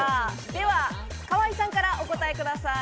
では河井さんからお答えください。